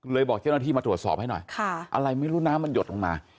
บอกเจ้าหน้าที่มาตรวจสอบให้หน่อยค่ะอะไรไม่รู้น้ำมันหยดลงมา